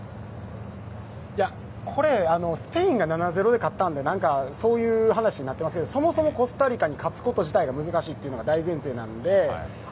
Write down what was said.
これ、スペインが７−０で勝ったのでそういう話になっていますがそもそもコスタリカに勝つこと自体が難しいというのが大前提なので。